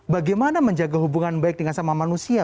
bagaimana menjaga hubungan baik dengan sama manusia